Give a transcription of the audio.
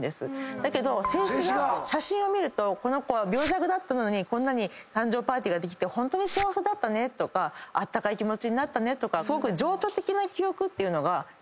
だけど静止画写真を見るとこの子は病弱だったのにこんなに誕生パーティーができてホントに幸せだったねとかあったかい気持ちになったねとかすごく。